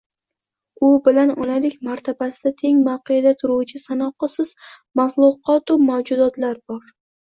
u bilan onalik martabasida teng mavqeda turuvchi sanoqsiz maxluqotu mavjudotlar bor